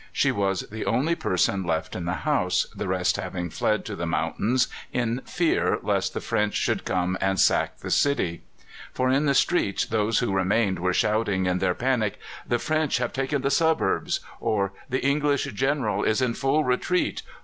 She was the only person left in the house, the rest having fled to the mountains in fear lest the French should come and sack the city; for in the streets those who remained were shouting in their panic, "The French have taken the suburbs!" or "The British General is in full retreat!"